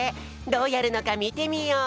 どうやるのかみてみよう。